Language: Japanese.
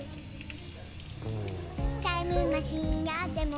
「タイムマシンあっても」